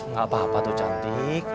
gak apa apa tuh cantik